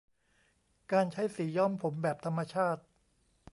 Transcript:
การใช้สีย้อมผมแบบธรรมชาติ